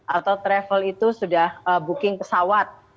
atau travel itu sudah booking pesawat